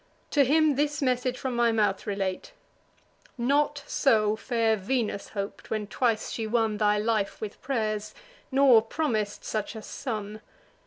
To him this message from my mouth relate: 'Not so fair Venus hop'd, when twice she won Thy life with pray'rs, nor promis'd such a son.